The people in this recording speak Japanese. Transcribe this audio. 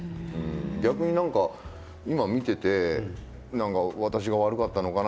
逆に今見ていて私が悪かったのかな？